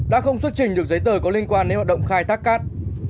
đã không xuất trình được giấy tờ có liên quan đến hoạt động khai thác cát